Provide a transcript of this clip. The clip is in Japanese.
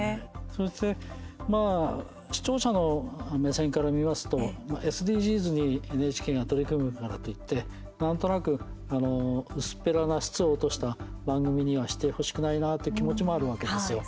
そして、視聴者の目線から見ますと、ＳＤＧｓにＮＨＫが取り組むからといってなんとなく薄っぺらな質を落とした番組にはしてほしくないなっていう気持ちもあるわけですよ。